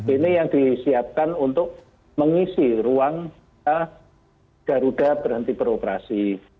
ini yang disiapkan untuk mengisi ruang garuda berhenti beroperasi